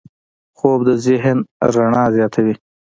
خوب د ذهن رڼا زیاتوي